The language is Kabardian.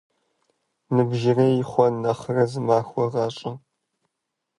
Ныбжьырей хъуэн нэхърэ зы махуэ гъащӀэ.